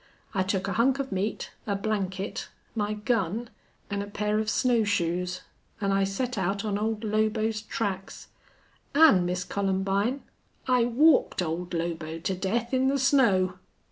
I took a hunk of meat, a blanket, my gun, an' a pair of snow shoes, an' I set out on old Lobo's tracks.... An', Miss Columbine, I walked old Lobo to death in the snow!"